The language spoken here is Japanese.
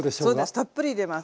たっぷり入れます。